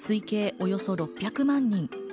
およそ６００万人。